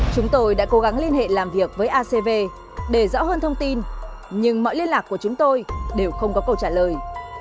chúng tôi đã cố gắng liên hệ làm việc với acv để rõ hơn thông tin nhưng mọi liên lạc của chúng tôi đều không có câu trả lời